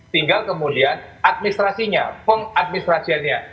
tinggal kemudian administrasinya pengadministrasiannya